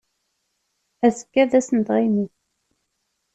Azekka d ass n tɣimit.